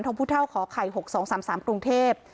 ทองพุท่าขอไข่หกสองสามสามกรุงเทพ